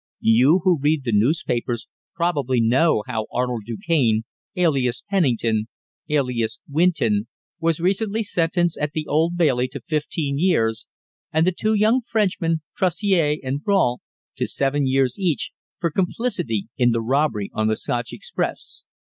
You who read the newspapers probably know how Arnold Du Cane, alias Pennington, alias Winton, was recently sentenced at the Old Bailey to fifteen years, and the two young Frenchmen, Terassier and Brault, to seven years each, for complicity in the robbery on the Scotch express.